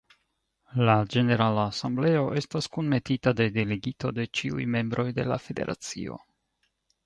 La ĝenerala asembleo estas kunmetita de delegito de ĉiuj membroj de la federacio.